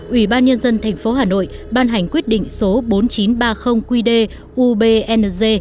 ủy ban nhân dân thành phố hà nội ban hành quyết định số bốn nghìn chín trăm ba mươi qd ubnz